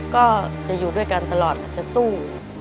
ก็จะอยู่ด้วยกันตลอดอาจจะสู้